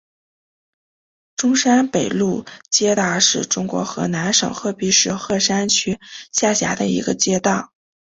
中山北路街道是中国河南省鹤壁市鹤山区下辖的一个街道。